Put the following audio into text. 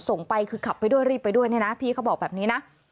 ส่งไปคือขับไปด้วยรีบไปด้วยเนี่ยนะพี่เขาบอกแบบนี้นะ